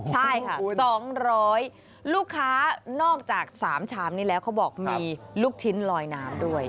ใช่ค่ะ๒๐๐ลูกค้านอกจาก๓ชามนี้แล้วเขาบอกมีลูกชิ้นลอยน้ำด้วย